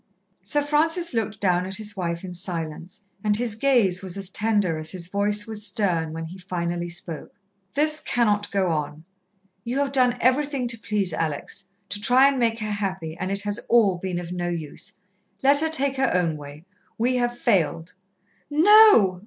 Sir Francis looked down at his wife in silence, and his gaze was as tender as his voice was stern when he finally spoke. "This cannot go on. You have done everything to please Alex to try and make her happy, and it has all been of no use. Let her take her own way! We have failed." "No!"